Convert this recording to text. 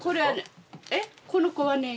この子はね。